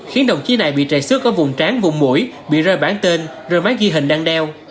khiến đồng chí này bị trầy xước ở vùng tráng vùng mũi bị rơi bản tên rơi máy ghi hình đăng đeo